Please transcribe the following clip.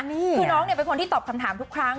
คือน้องเนี่ยเป็นคนที่ตอบคำถามทุกครั้ง